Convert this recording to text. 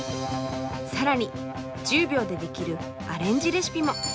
更に１０秒でできるアレンジレシピも！